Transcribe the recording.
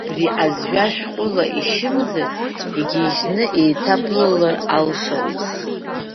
Абри азҩа шәҟәыла ишьымзар, игьежьны еиҭабылалар алшауеит.